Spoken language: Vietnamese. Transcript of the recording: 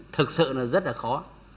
thực sự nó rất là khó